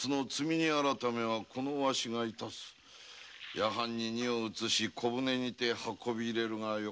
夜半に荷を移し小舟にて運び入れるがよかろうな。